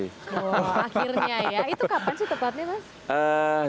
akhirnya ya itu kapan sih tepatnya mas